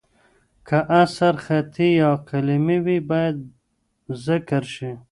که اثر خطي یا قلمي وي، باید ذکر شي.